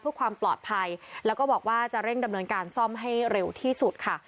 เพื่อความปลอดภัยแล้วก็บอกว่าจะเร่งดำเนินการซ่อมให้เร็วที่สุดค่ะ